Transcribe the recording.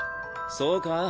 そうか？